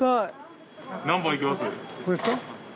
これですか？